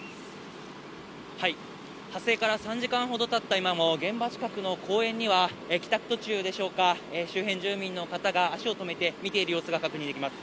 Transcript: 発生から３時間ほどたった今も、現場近くの公園には、帰宅途中でしょうか、周辺住民の方が足を止めて見ている様子が確認できます。